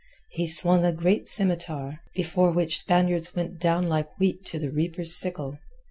He swung a great scimitar, before which Spaniards went down like wheat to the reaper's sickle.